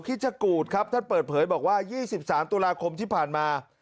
ขี้ชะกูดครับท่านเปิดเผยบอกว่ายี่สิบสามตุลาคมที่ผ่านมา